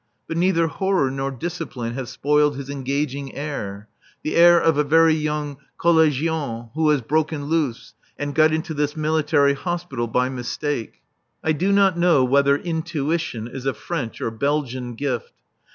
But neither horror nor discipline have spoiled his engaging air the air of a very young collégien who has broken loose and got into this Military Hospital by mistake. I do not know whether intuition is a French or Belgian gift.